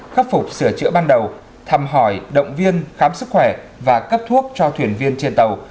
khắc phục sửa chữa ban đầu thăm hỏi động viên khám sức khỏe và cấp thuốc cho thuyền viên trên tàu